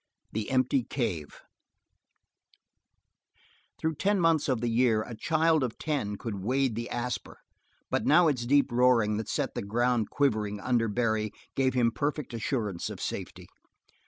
The Empty Cave Through ten months of the year a child of ten could wade the Asper but now its deep roaring that set the ground quivering under Barry gave him perfect assurance of safety.